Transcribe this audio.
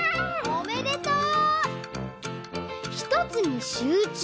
おめでとう！